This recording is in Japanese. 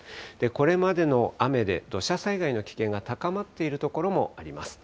これまでの雨で土砂災害の危険が高まっている所もあります。